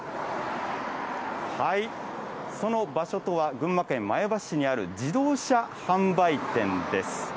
その場所とは、群馬県前橋市にある自動車販売店です。